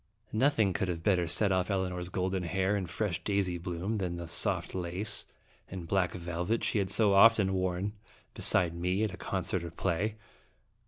Nothing could have better set off Elinor's golden hair and fresh. daisy bloom than the soft laces and black velvet she had so often worn beside me at concert or play.